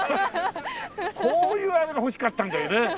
こういうあれが欲しかったんだよね。